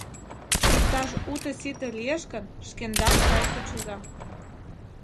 Иктаж уто-сите лиеш гын, шкендам сай кучыза.